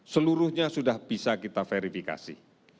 seluruhnya sudah bisa kita verifikasi